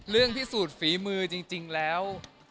เรื่องที่สูตรฝีมือจริงแล้ว